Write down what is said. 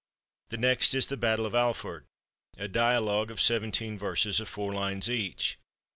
The next is the " Battle of Alfort," a dialogue of seventeen verses of four lines each.